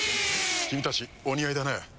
君たちお似合いだね。